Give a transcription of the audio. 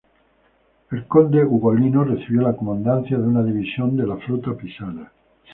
El conde Ugolino recibió la comandancia de una división de la flota pisana.